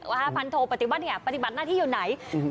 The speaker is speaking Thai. ว่าพันโทปฏิวัติเนี่ยปฏิบัติหน้าที่อยู่ไหน